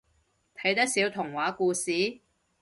睇得少童話故事？